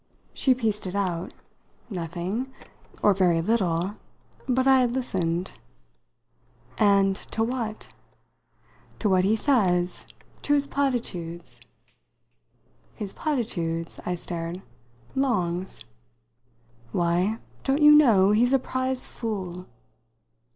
She pieced it out. "Nothing or very little. But I had listened." "And to what?" "To what he says. To his platitudes." "His platitudes?" I stared. "Long's?" "Why, don't you know he's a prize fool?"